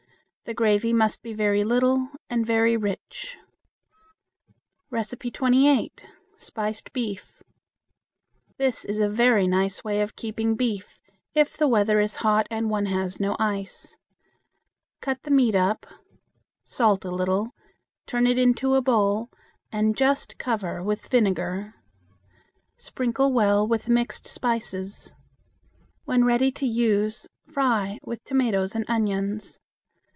The gravy must be very little and very rich. 28. Spiced Beef. This is a very nice way of keeping beef if the weather is hot and one has no ice. Cut the meat up, salt a little, turn it into a bowl, and just cover with vinegar. Sprinkle well with mixed spices. When ready to use, fry with tomatoes and onions.